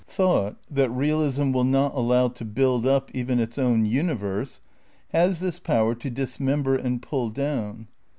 Thought, that realism will not allow to build up even its own universe, has this power to dismember and pull down.